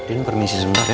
ini permisi sementara ya